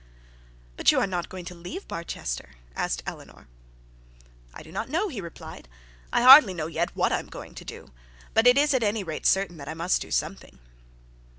'But you are not going to leave Barchester?' asked Eleanor. 'I do not know,' he replied. 'I hardly know yet what I am going to do. But it is at any rate certain that I must do something.'